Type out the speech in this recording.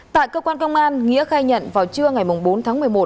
tại cơ quan công an nghĩa khai nhận vào trưa ngày bốn tháng một mươi một